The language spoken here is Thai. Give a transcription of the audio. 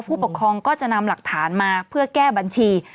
ผู้ปกครองก็จะนำหลักฐานมาเพื่อแก้บัญชี